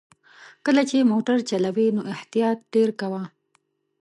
کله چې موټر چلوې نو احتياط ډېر کوه!